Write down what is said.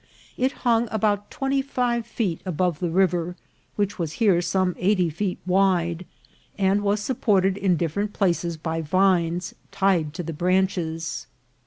It hung about twenty five feet above the river, which was here some eighty feet wide, and was supported in different places by vines tied to the branches.